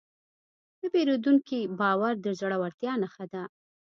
د پیرودونکي باور د زړورتیا نښه ده.